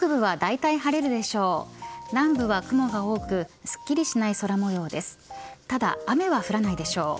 ただ雨は降らないでしょう。